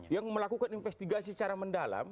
yang melakukan investigasi secara mendalam